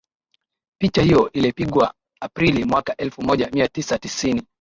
picha hiyo ilipigwa aprili mwaka elfu moja mia tisa tisini